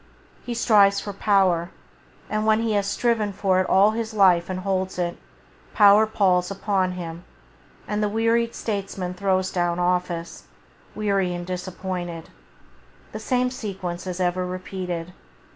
He strives for power, and when he has striven for it all his life and holds it, power palls upon him, and the wearied statesman throws down office, weary and disappointed. The same sequence is ever repeated.